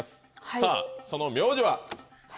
さぁその名字は？